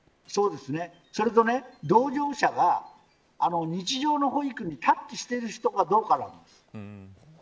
それと同乗者が日常の保育にタッチしている人かどうか。